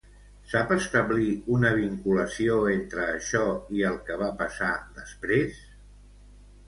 Sap establir una vinculació entre això i el que va passar després?